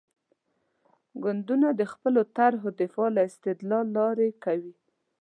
ګوندونه د خپلو طرحو دفاع د استدلال له لارې کوي.